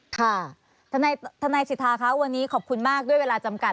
ค่ะทนายสิทธาคะวันนี้ขอบคุณมากด้วยเวลาจำกัด